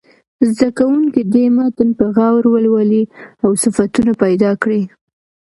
زده کوونکي دې متن په غور ولولي او صفتونه پیدا کړي.